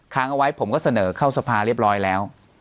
ค้างเอาไว้ผมก็เสนอเข้าสภาเรียบร้อยแล้ว